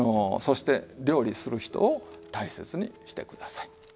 そして料理する人を大切にしてください。